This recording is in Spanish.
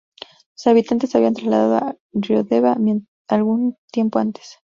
Sus habitantes se habían trasladado a Riodeva algún tiempo antes.